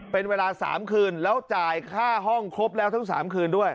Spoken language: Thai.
เป็นเวลา๓คืนแล้วจ่ายค่าห้องครบแล้วทั้ง๓คืนด้วย